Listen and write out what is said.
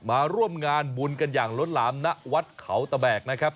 มาร่วมงานบุญกันอย่างล้นหลามณวัดเขาตะแบกนะครับ